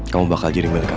kamu bakal jadi milik aku